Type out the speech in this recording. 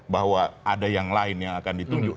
bahwa ada yang lain yang akan ditunjuk